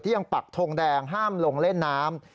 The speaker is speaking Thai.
ยังปักทงแดงห้ามลงเล่นน้ำ